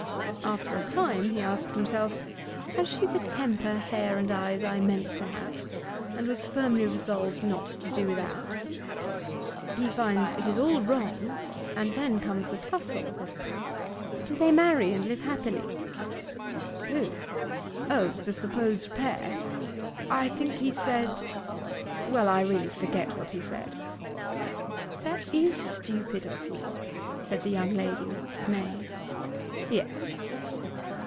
After a time he asks himself, "Has she the temper, hair, and eyes I meant to have, and was firmly resolved not to do without?" He finds it is all wrong, and then comes the tussle ' 'Do they marry and live happily?' 'Who? O, the supposed pair. I think he said well, I really forget what he said.' 'That is stupid of you!' said the young lady with dismay. 'Yes.